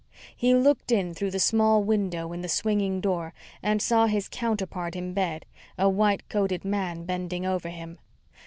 He looked in through the small window in the swinging door and saw his counterpart in bed, a white coated man bending over him.